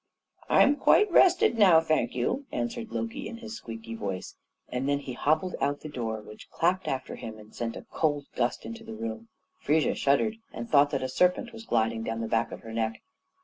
"I'm quite rested now, thank you," answered Loki in his squeaky voice, and then he hobbled out at the door, which clapped after him, and sent a cold gust into the room. Frigga shuddered, and thought that a serpent was gliding down the back of her neck.